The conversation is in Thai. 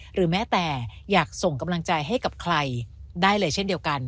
หรือแม้แต่อยากส่งกำลังใจให้กับใครได้เลยเช่นเดียวกัน